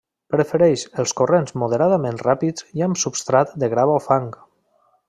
Prefereix els corrents moderadament ràpids i amb substrat de grava o fang.